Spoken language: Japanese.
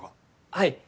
はい。